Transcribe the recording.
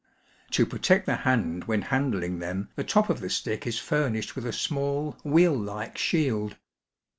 To protect the hand when handling them the top of the stick is famished with a small wheel like shield.